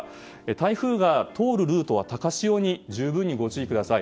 台風が通るルートは高潮に十分にお気を付けください。